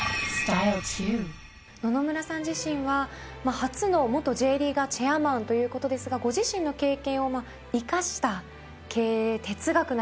野々村さん自身は初の元Ｊリーガーチェアマンということですがご自身の経験を生かした経営哲学などがあれば。